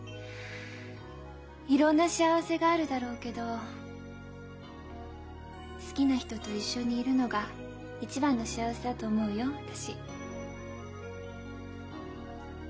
いろんな幸せがあるだろうけど好きな人と一緒にいるのが一番の幸せだと思うよ私。